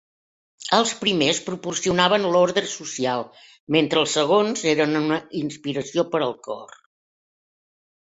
Els primers proporcionaven l'ordre social, mentre els segons eren una inspiració per al cor.